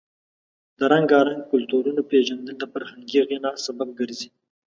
د رنګارنګ کلتورونو پیژندل د فرهنګي غنا سبب ګرځي.